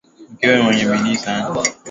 Mkewe ni mwenye bidii sana.